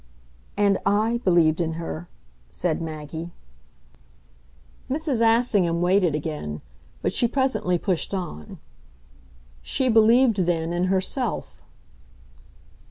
"And I believed in her," said Maggie. Mrs. Assingham waited again; but she presently pushed on. "She believed then in herself."